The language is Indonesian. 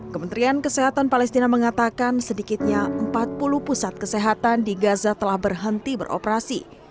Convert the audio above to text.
kementerian kesehatan palestina mengatakan sedikitnya empat puluh pusat kesehatan di gaza telah berhenti beroperasi